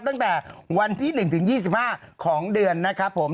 ตั้งแต่วันที่๑ถึง๒๕ของเดือนนะครับผม